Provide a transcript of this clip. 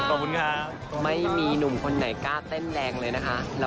ก็ไม่มีหนุ่มคนหน่อยกล้าเต้นแรงเลยนะค่ะ